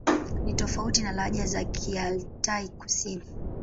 Ni tofauti na lahaja za Kialtai-Kusini.